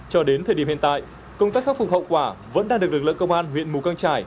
cho đến thời điểm hiện tại công tác khắc phục hậu quả vẫn đang được lực lượng công an huyện mù căng trải